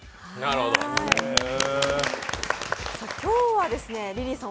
今日はリリーさん